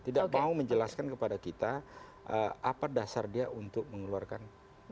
tidak mau menjelaskan kepada kita apa dasar dia untuk mengeluarkan